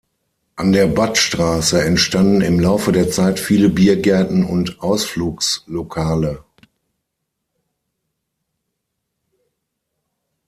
An der Badstraße entstanden im Laufe der Zeit viele Biergärten und Ausflugslokale.